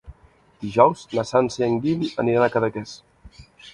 Dijous na Sança i en Guim aniran a Cadaqués.